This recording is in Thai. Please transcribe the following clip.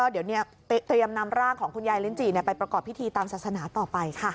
เดี๋ยวเตรียมนำร่างของคุณยายลิ้นจี่ไปประกอบพิธีตามศาสนาต่อไปค่ะ